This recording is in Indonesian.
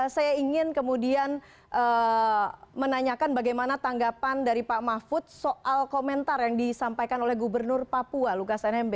saya ingin kemudian menanyakan bagaimana tanggapan dari pak mahfud soal komentar yang disampaikan oleh gubernur papua lukas nmb